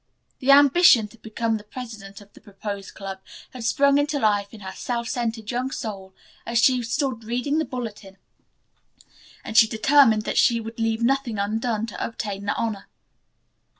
The ambition to become the president of the proposed club had sprung into life in her self centered young soul as she stood reading the bulletin, and she determined that she would leave nothing undone to obtain the honor.